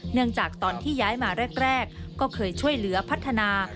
เนื่องจากตอนที่ย้ายมาแรกก็เคยช่วยเหลือพัฒนา